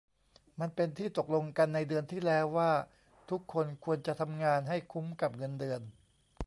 มันเป็นที่ตกลงกันในเดือนที่แล้วว่าทุกคนควรจะทำงานให้คุ้มกับเงินเดือน